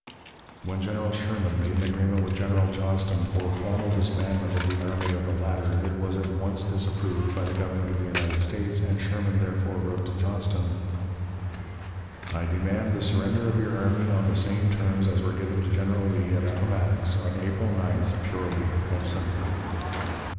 When General Sherman made an agreement with General Johnston for formal disbandment of the army of the latter, it was at once disapproved by the Government of the United States, and Sherman therefore wrote to Johnston: "I demand the surrender of your army on the same terms as were given to General Lee at Appomattox, on April 9th, purely and simply."